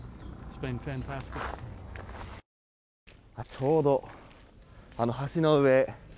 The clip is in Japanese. ちょうど、あの橋の上。